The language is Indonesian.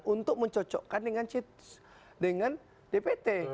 untuk mencocokkan dengan dpt